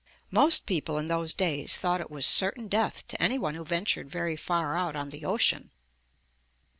Most people in those days thought it was certain death to any one who ventured very far out on the ocean.